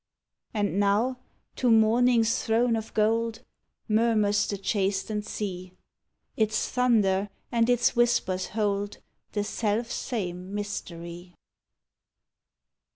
And now to morning's throne of gold Murmurs the chastened sea: Its thunder and its whispers hold The selfsame mystery.